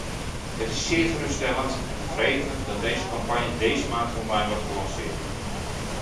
Het is zeer geruststellend en bevredigend dat deze campagne deze maand online wordt gelanceerd.